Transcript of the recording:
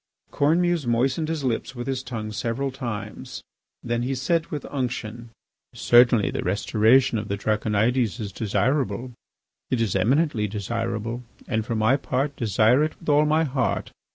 Cornemuse moistened his lips with his tongue several times. Then he said with unction: "Certainly the restoration of the Draconides is desirable; it is eminently desirable; and for my part, desire it with all my heart.